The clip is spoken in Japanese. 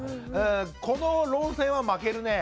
この論戦は負けるね。